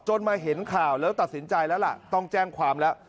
มาเห็นข่าวแล้วตัดสินใจแล้วล่ะต้องแจ้งความแล้ว